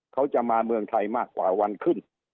เขาจะมาเมืองไทยมากกว่าวันขึ้น